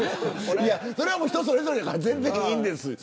それは人それぞれやから全然いいんです。